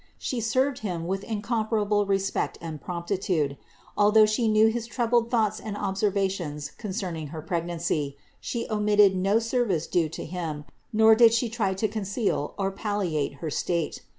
She served him with incomparable respect and promptitude ; although She knew his troubled thoughts and observations concerning her pregnancy, She omitted no service due to him, nor did She try to conceal or palliate her state.